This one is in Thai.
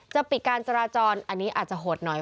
ปิดการจราจรอันนี้อาจจะโหดหน่อย